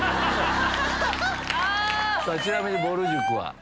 ちなみにぼる塾は？